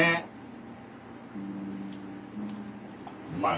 うまい。